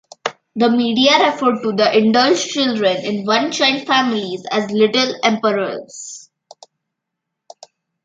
The media referred to the indulged children in one-child families as "little emperors".